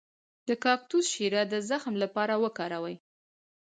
د کاکتوس شیره د زخم لپاره وکاروئ